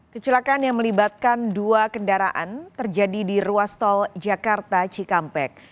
kecelakaan yang melibatkan dua kendaraan terjadi di ruas tol jakarta cikampek